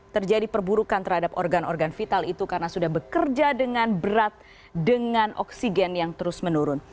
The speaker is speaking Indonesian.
terjadi perburukan terhadap organ organ vital itu karena sudah bekerja dengan berat dengan oksigen yang terus menurun